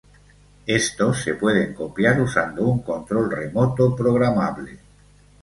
Estos se pueden copiar usando un control remoto programable.